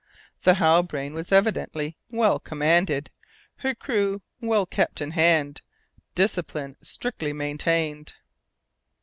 The Halbrane was evidently well commanded, her crew well kept in hand, discipline strictly maintained.